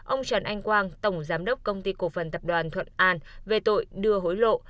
ông trần anh quang tổng giám đốc công ty cổ phần tập đoàn thuận an về tội đưa hối lộ